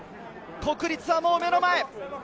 国立はもう目の前。